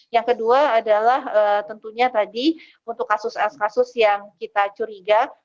yang kedua adalah tentunya tadi untuk kasus kasus yang kita curiga